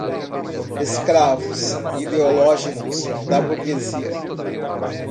escravos ideológicos da burguesia